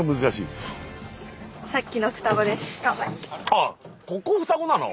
あっここ双子なの？